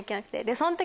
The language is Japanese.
その時。